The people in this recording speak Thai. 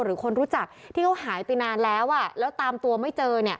หรือคนรู้จักที่เขาหายไปนานแล้วแล้วตามตัวไม่เจอเนี่ย